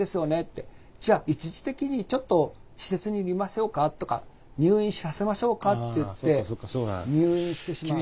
じゃあ一時的にちょっと施設に入れましょうかとか入院させましょうかって言って入院してしまう。